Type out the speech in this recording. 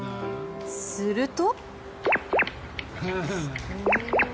すると。